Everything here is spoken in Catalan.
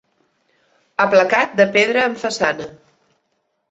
Aplacat de pedra en façana.